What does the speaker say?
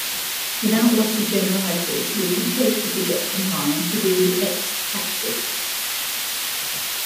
Without loss of generality, we can take the projection line to be the "x"-axis.